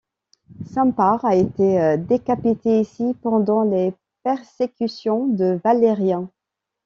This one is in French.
Saint Parres a été décapité ici pendant les persécutions de Valérien.